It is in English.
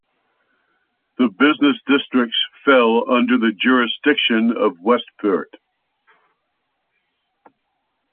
The business districts fell under the jurisdiction of Westpoort.